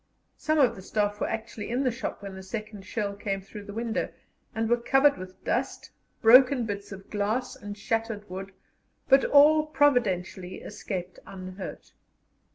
Some of the staff were actually in the shop when the second shell came through the window, and were covered with dust, broken bits of glass, and shattered wood, but all providentially escaped unhurt.